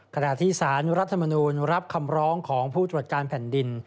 ขณะที่สารรัฐมนูลรับคำร้องของผู้ตรวจการแผ่นดิน